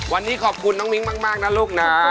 วันนี้ขอบคุณน้องมิ้งมากนะลูกนะ